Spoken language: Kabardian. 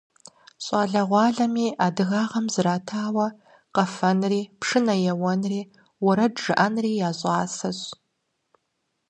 ЩӀалэгъуалэми адыгагъэм зратауэ къэфэнри, пшынэ еуэнри, уэрэд жыӀэнри я щӀасэщ.